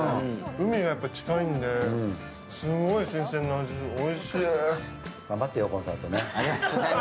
海が近いんで、すごい新鮮な味、おいしい！